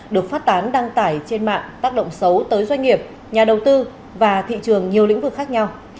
được phát tán đăng tải trên mạng tác động xấu tới doanh nghiệp nhà đầu tư và thị trường nhiều lĩnh vực khác nhau